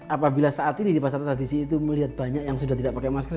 apabila saat ini di pasar tradisi itu melihat banyak yang sudah tidak pakai masker